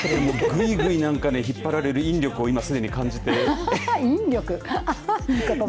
ぐいぐい引っ張られる引力をすでに感じて。